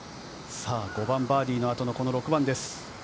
さぁ５番、バーディーの後の６番です。